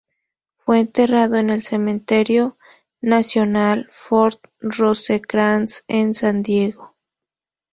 Fue enterrado en el Cementerio Nacional Fort Rosecrans en San Diego.